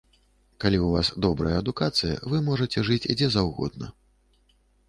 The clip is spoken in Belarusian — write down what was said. Калі ў вас добрая адукацыя, вы можаце жыць дзе заўгодна.